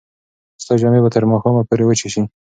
ستا جامې به تر ماښامه پورې وچې شي.